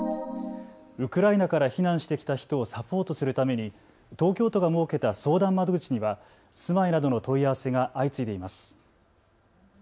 ウクライナから避難してきた人をサポートするために東京都が設けた相談窓口には住まいなどの問い合わせが相次いでいます。